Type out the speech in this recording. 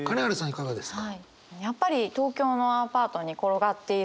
いかがですか？